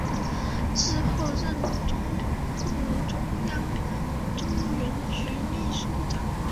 之后任中共中央中原局秘书长。